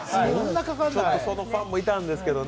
そのファンもいたんですけどね。